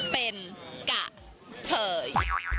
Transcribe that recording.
เป็นกะเทย